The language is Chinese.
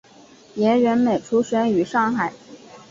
严仁美出生于上海。